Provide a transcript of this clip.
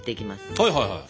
はいはいはいはい。